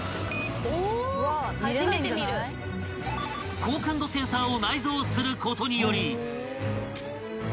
［高感度センサーを内蔵することにより］